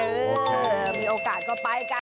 เออมีโอกาสก็ไปกัน